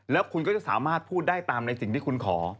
แล้วคุณก็จะสามารถพูดได้ตามในสิ่งที่คุณขอ